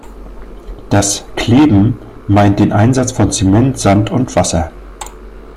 Das „Kleben“ meint den Einsatz von Zement, Sand und Wasser.